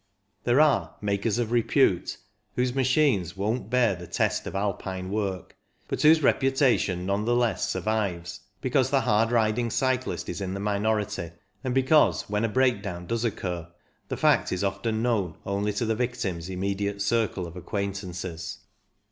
There are "makers of repute" whose machines won't bear the test of Alpine work, but whose reputation none the less survives because the hard riding cyclist is in the minority, and because when a breakdown does occur, the fact is often known only to the victim's immediate circle of acquaintances.